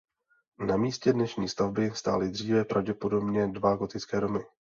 Na místě dnešní stavby stály dříve pravděpodobně dva gotické domy.